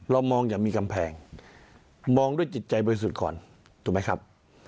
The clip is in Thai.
มองอย่างมีกำแพงมองด้วยจิตใจบริสุทธิ์ก่อนถูกไหมครับ